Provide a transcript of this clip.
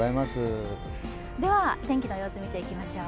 天気の様子、見ていきましょう。